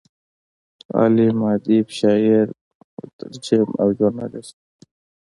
عالم، ادیب، شاعر، مترجم او ژورنالست و.